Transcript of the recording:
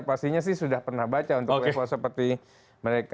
pastinya sih sudah pernah baca untuk level seperti mereka